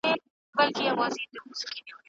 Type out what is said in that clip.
وکولای سو، چي قومونه، ژبي او فرهنګونه له یو بل